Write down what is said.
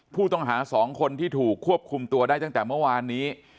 ผู้ต้องหา๒คนที่ถูกควบคุมตัวได้ตั้งแต่เมื่อวานนี้